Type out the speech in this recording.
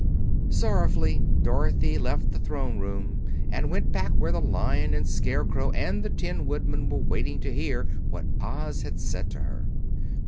Sorrowfully Dorothy left the Throne Room and went back where the Lion and the Scarecrow and the Tin Woodman were waiting to hear what Oz had said to her.